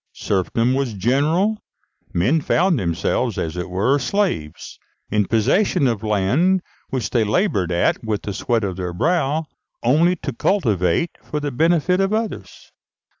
Serfdom was general; men found themselves, as it were, slaves, in possession of land which they laboured at with the sweat of their brow, only to cultivate for the benefit of others.